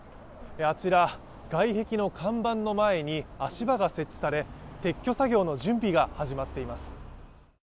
あちら、外壁の看板の前に足場が設置され撤去作業の準備が始まっています。